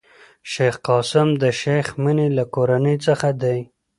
شېخ قاسم د شېخ مني له کورنۍ څخه دﺉ.